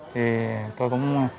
thì tôi cũng